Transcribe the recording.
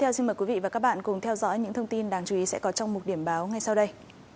xin chào quý vị và các bạn cùng theo dõi những thông tin đáng chú ý sẽ có trong một điểm báo ngay sau đây